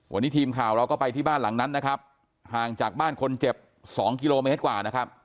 วันนี้ทีมข่าวเราก็ไปที่บ้านหลังนั้นนะครับห่างจากบ้านคนเจ็บ๒กิโลเมตรกว่านะครับ